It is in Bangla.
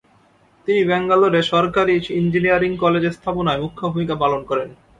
তিনি ব্যাঙ্গালোরে সরকারি ইঞ্জিনিয়ারিং কলেজ স্থাপনায় মূখ্য ভূমিকা পালন করেন।